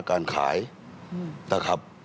การขายนะครับ